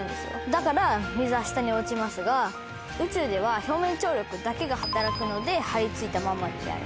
だから水は下に落ちますが宇宙では表面張力だけが働くので張りついたままになる。